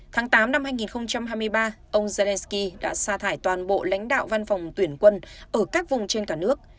tháng tám năm hai nghìn hai mươi ba ông zelensky đã xa thải toàn bộ lãnh đạo văn phòng tuyển quân ở các vùng trên cả nước